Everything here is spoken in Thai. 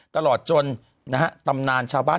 ตลอดจนนะฮะตำนานชาวบ้าน